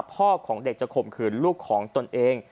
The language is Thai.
พ่อของเด็กจะข่มขืนลูกของตนเอง